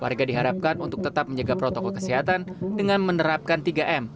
warga diharapkan untuk tetap menjaga protokol kesehatan dengan menerapkan tiga m